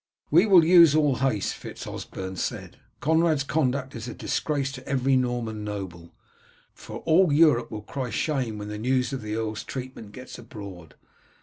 "We will use all haste," Fitz Osberne said. "Conrad's conduct is a disgrace to every Norman noble, for all Europe will cry shame when the news of the earl's treatment gets abroad.